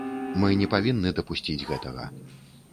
Мы не павінны дапусціць гэтага.